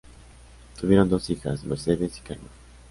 Tuvieron dos hijas: Mercedes y Carmen.